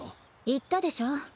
言ったでしょ。